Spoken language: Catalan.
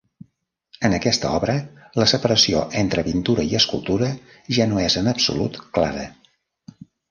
En aquesta obra la separació entre pintura i escultura ja no és en absolut clara.